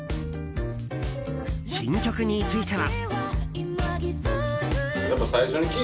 新曲については。